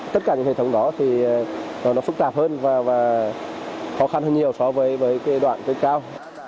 tất cả những hệ thống đó thì nó phức tạp hơn và khó khăn hơn nhiều so với đoạn trên cao